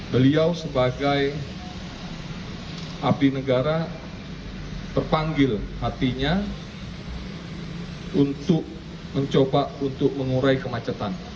beliau sebagai abdi negara terpanggil hatinya untuk mencoba untuk mengurai kemacetan